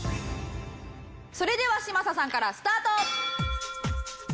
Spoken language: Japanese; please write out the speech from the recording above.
それでは嶋佐さんからスタート。